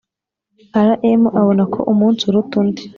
Rm abona ko umunsi uruta undi